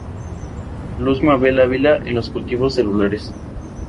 Luz Mabel Avila en los cultivos celulares.